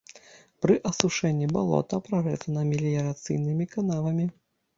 Пры асушэнні балота прарэзана меліярацыйнымі канавамі.